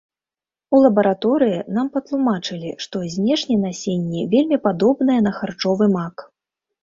У лабараторыі нам патлумачылі, што знешне насенне вельмі падобнае на харчовы мак.